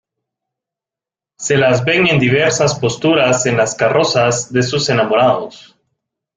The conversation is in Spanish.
Se las ven en diversas posturas en las carrozas de sus enamorados.